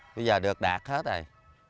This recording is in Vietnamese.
bây giờ được đạt hết rồi